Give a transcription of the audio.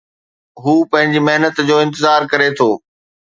هو پنهنجي محنت جو انتظار ڪري ٿو